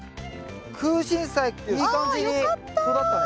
クウシンサイいい感じに育ったね。